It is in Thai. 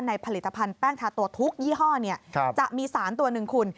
ผลิตภัณฑ์แป้งทาตัวทุกยี่ห้อจะมีสารตัวหนึ่งคุณ